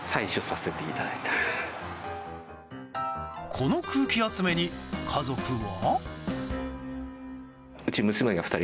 この空気集めに、家族は。